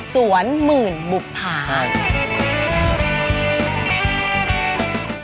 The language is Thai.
สวนหมื่นบุคผาครับ